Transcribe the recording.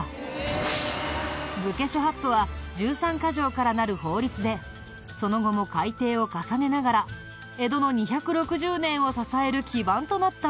武家諸法度は１３カ条からなる法律でその後も改定を重ねながら江戸の２６０年を支える基盤となったんだ。